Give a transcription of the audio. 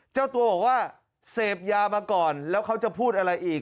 เจ้าตัวบอกว่าเสพยามาก่อนแล้วเขาจะพูดอะไรอีก